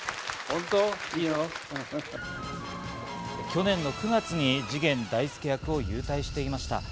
去年の９月に次元大介役を勇退していました。